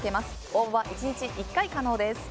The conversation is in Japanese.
応募は１日１回可能です。